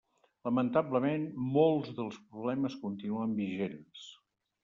Lamentablement, molts dels problemes continuen vigents.